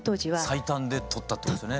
最短で取ったってことですね。